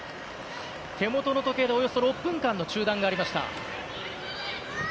手元の時計でおよそ６分間の中断がありました。